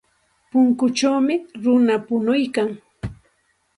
Punkuchawmi runa punuykan.